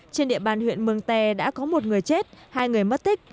trên địa bàn huyện mường tè đã có một người chết hai người mất tích